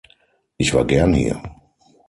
Ich war gern hier.